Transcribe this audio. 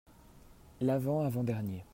L'avant avant-dernier.